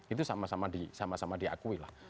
itu sama sama diakui lah